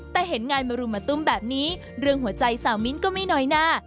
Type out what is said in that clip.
แต่เห็นงานมารุมมาตุ้มแบบนี้เรื่องหัวใจสาวมิ้นก็ไม่น้อยหน้า